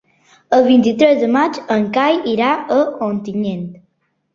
El vint-i-tres de maig en Cai irà a Ontinyent.